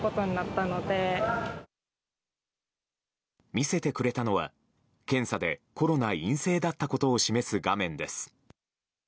見せてくれたのは検査でコロナ陰性だったことを示す画面です。